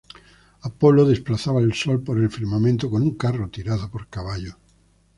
Apolo desplazaba el sol por el firmamento con un carro tirado por caballos.